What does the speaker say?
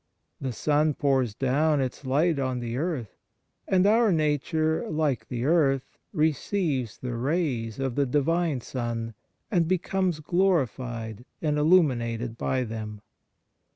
The sun pours down its light on the earth, and our nature, like the earth, receives the rays of the Divine Sun and becomes glorified and illuminated by them.